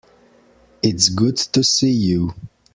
It's good to see you.